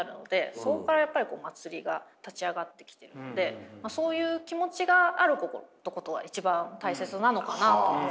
そこからやっぱり祭りが立ち上がってきているのでそういう気持ちがあることが一番大切なのかなと思うんですね。